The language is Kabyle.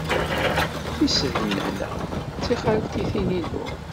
Tisednan-a d tixaltitin-inu.